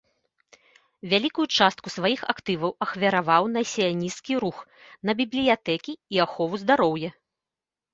Вялікую частку сваіх актываў ахвяраваў на сіянісцкі рух, на бібліятэкі і ахову здароўя.